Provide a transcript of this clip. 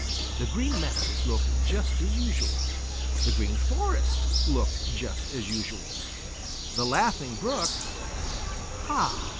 The Green Meadows looked just as usual. The Green Forest looked just as usual. The Laughing Brook ha!